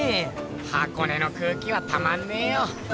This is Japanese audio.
箱根の空気はたまんねぇよ。